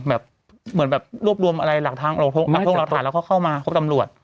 แบบเหมือนแบบรวบรวมอะไรหลักทางหลักฐานแล้วก็เข้ามาพบตำรวจ